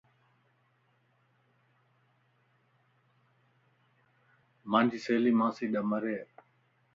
مانجي سھيلي مانسي ڏمري اي